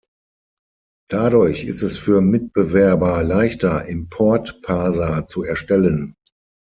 Dadurch ist es für Mitbewerber leichter, Import-Parser zu erstellen.